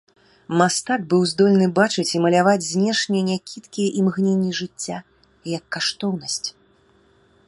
Мастак быў здольны бачыць і маляваць знешне някідкія імгненні жыцця, як каштоўнасць.